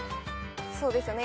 そうですよね。